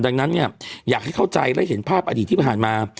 ดังนั้นเนี่ยอยากให้เข้าใจและเห็นภาพอดีตที่ผ่านมา